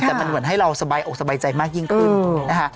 แต่มันเหมือนให้เราสบายอกสบายใจมากยิ่งขึ้นนะคะ